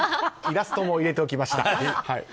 イラストも入れておきました。